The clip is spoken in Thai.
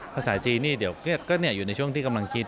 ภาษาจีนนี่เดี๋ยวก็อยู่ในช่วงที่กำลังคิด